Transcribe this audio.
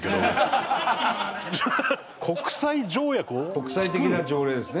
国際的な条例ですね？